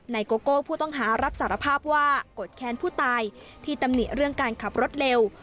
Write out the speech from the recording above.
โกโก้ผู้ต้องหารับสารภาพว่าโกรธแค้นผู้ตายที่ตำหนิเรื่องการขับรถเร็ว